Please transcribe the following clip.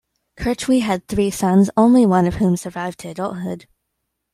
Kirchwey had three sons, only one of whom survived to adulthood.